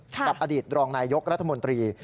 กับอดีตรองนายยกรัฐมนตรี